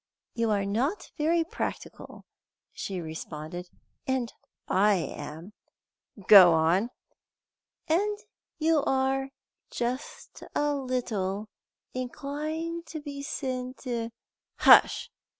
"You are not very practical," she responded, "and I am." "Go on." "And you are just a little inclined to be senti " "Hush!